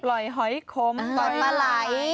ปล่อยหอยขมปล่อยปลาไหล